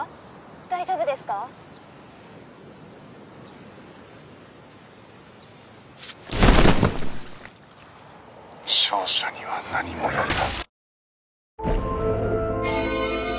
「大丈夫ですか？」「勝者には何もやるな」